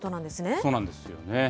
そうなんですよね。